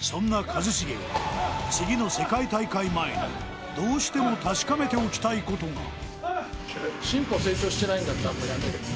そんな一茂は次の世界大会前にどうしても確かめておきたいことが進歩